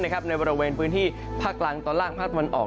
ในบริเวณพื้นที่ภาคกลางตอนล่างภาคตะวันออก